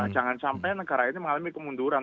jangan sampai negara ini mengalami kemunduran